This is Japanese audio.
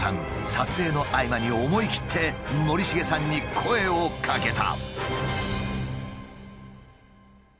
撮影の合間に思い切って森繁さんに声をかけた。